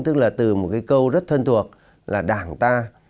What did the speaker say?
tức là từ một cái câu rất thân thuộc là đảng ta